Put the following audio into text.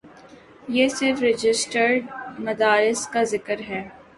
یہ صرف رجسٹرڈ مدارس کا ذکر ہے۔